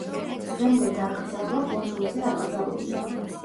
დღემდე დაკრძალვა კუნძულზე აკრძალულია.